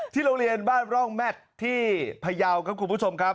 โรงเรียนบ้านร่องแมทที่พยาวครับคุณผู้ชมครับ